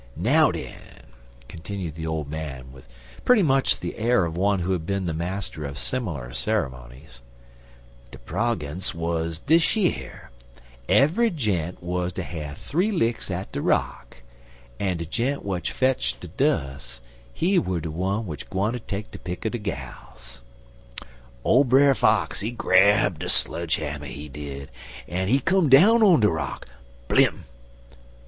Now den," continued the old man, with pretty much the air of one who had been the master of similar ceremonies, "de progance wuz dish yer: Eve'y gent wer ter have th'ee licks at de rock, en de gent w'at fetch de dus' he were de one w'at gwineter take de pick er de gals. Ole Brer Fox, he grab de sludge hammer, he did, en he come down on de rock blim!